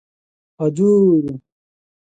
ହଜୁର!